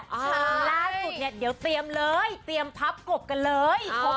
เพลงล่าสุดเดี๋ยวเตรียมเลยเตรียมพับกบกันเลย